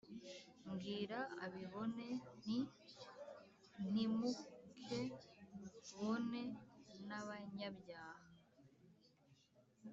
Mbwira abibone nti Ntimuk bone N abanyabyaha